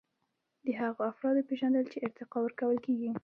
د هغو افرادو پیژندل چې ارتقا ورکول کیږي.